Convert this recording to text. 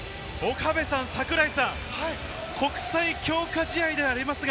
岡部さん、桜井さん、国際強化試合ではありますが。